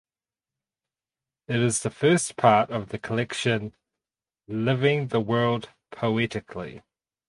It is the first part of the collection "Living the world poetically".